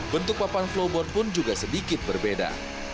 bentuk papan flowboard pun juga sedikit berbeda